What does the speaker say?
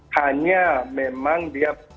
hanya memang dia